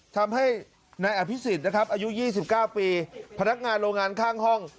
ทำให้นายอภิษฎนะครับอายุ๒๙ปีพนักงานโรงงานข้างห้อง